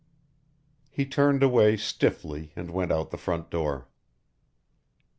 He turned away stiffly and went out the front door.